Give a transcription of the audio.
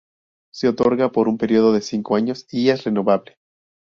Se otorga por un período de cinco años y es renovable.